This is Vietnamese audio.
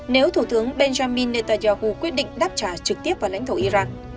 nếu thủ tướng benjamin netanyahu quyết định đáp trả trực tiếp vào lãnh thổ iran